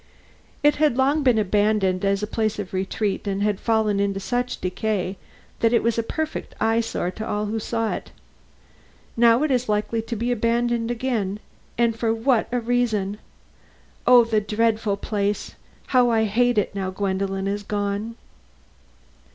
It had long been abandoned as a place of retreat, and had fallen into such decay that it was a perfect eyesore to all who saw it. Now it is likely to be abandoned again, and for what a reason! Oh, the dreadful place! How I hate it, now Gwendolen is gone!"